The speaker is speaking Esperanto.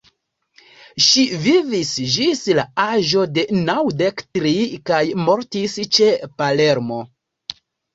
Ŝi vivis ĝis la aĝo de naŭdek tri, kaj mortis ĉe Palermo.